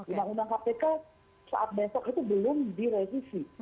undang undang kpk saat besok itu belum direvisi